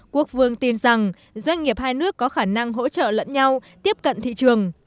quốc vương tin rằng doanh nghiệp hai nước có khả năng hỗ trợ lẫn nhau tiếp cận thị trường